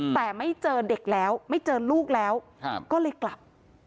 แต่ไม่เจอเด็กแล้วไม่เจอลูกแล้วก็เลยกลับ